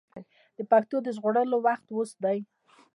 د پښتو د ژغورلو وخت اوس دی.